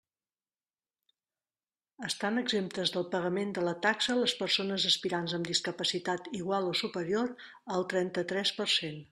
Estan exemptes del pagament de la taxa les persones aspirants amb discapacitat igual o superior al trenta-tres per cent.